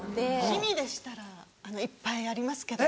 氷見でしたらいっぱいありますけど。